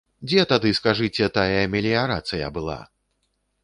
Дзе тады, скажыце, тая меліярацыя была?!